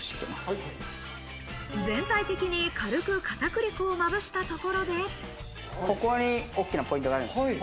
全体的に軽く片栗粉をまぶしたところで、ここにポイントがある。